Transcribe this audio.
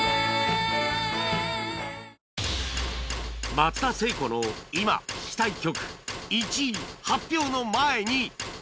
松田聖子の今聴きたい曲１位発表の前に